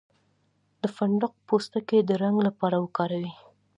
د فندق پوستکی د رنګ لپاره وکاروئ